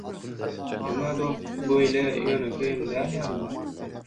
emma dostum, bu beýle ýönekeýem däl ýaly-la.